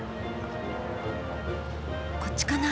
こっちかな？